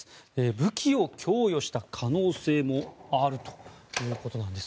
武器を供与した可能性もあるということなんです。